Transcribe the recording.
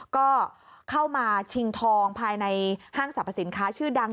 ก็เข้ามาชิงทองภายในห้างสรรพสินค้าชื่อดัง